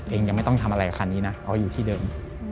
ยังไม่ต้องทำอะไรกับคันนี้นะเอาอยู่ที่เดิม